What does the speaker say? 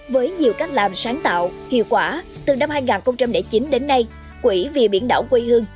với nhiều cách làm sáng tạo hiệu quả từ năm hai nghìn chín đến nay quỹ vì biển đảo quê hương